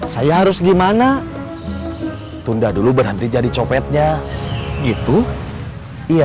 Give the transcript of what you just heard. saya harus gimana tunda dulu berhenti jadi copetnya gitu iya